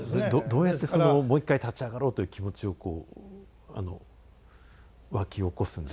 どうやってそのもう一回立ち上がろうという気持ちをこうわき起こすんですか？